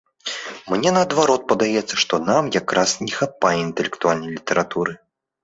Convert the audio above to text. Мне, наадварот, падаецца, што нам як раз не хапае інтэлектуальнай літаратуры.